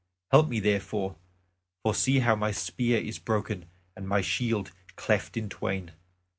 Help me therefore. For see how my spear is broken and my shield cleft in twain.